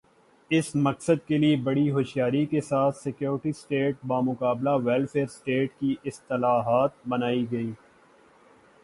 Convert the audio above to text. اس مقصد کے لئے بڑی ہوشیاری کے ساتھ سیکورٹی سٹیٹ بمقابلہ ویلفیئر سٹیٹ کی اصطلاحات بنائی گئیں۔